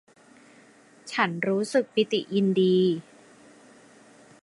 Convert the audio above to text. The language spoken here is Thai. ฉันรู้สึกปิติยินดี